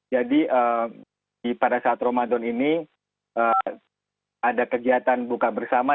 jadi pada saat ramadan ini ada kegiatan buka bersama